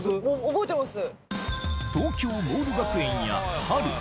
覚えてます。